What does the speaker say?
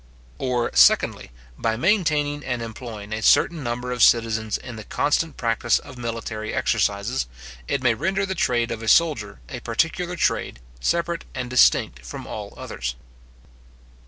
Or, secondly, by maintaining and employing a certain number of citizens in the constant practice of military exercises, it may render the trade of a soldier a particular trade, separate and distinct from all others.